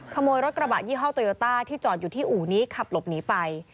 ขโมยรถกระบะยี่ห้อโตโยต้าที่จอดอยู่ที่อู่นี้ขับหลบหนีไป